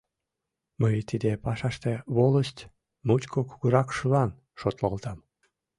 Мый тиде пашаште волость, мучко кугуракшылан шотлалтам.